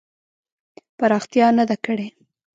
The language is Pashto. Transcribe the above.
پراختیا نه ده کړې.